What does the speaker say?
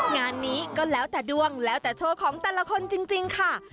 งานนี้ก็แล้วแต่ดวงแล้วแต่โชว์ของแต่ละคนจริงค่ะ